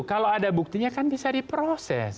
kalau ada buktinya kan bisa diproses